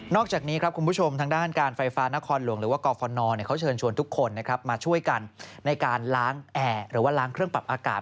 อกจากนี้ครับคุณผู้ชมทางด้านการไฟฟ้านครหลวงหรือว่ากฟนเขาเชิญชวนทุกคนมาช่วยกันในการล้างแอร์หรือว่าล้างเครื่องปรับอากาศ